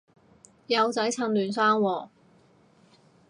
有仔趁嫩生喎